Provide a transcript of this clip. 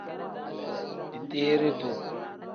Dideere-duu.